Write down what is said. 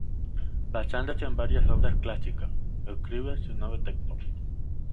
Basándose en varias obras clásicas, escribe su nuevo texto.